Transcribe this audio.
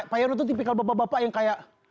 pak yono itu tipikal bapak bapak yang kayak